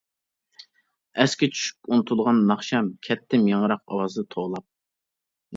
ئەسكە چۈشۈپ ئۇنتۇلغان ناخشام، كەتتىم ياڭراق ئاۋازدا توۋلاپ.